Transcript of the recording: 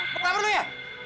buka perlu ya